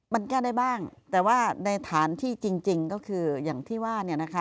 มันแก้ได้บ้างแต่ว่าในฐานที่จริงก็คืออย่างที่ว่าเนี่ยนะคะ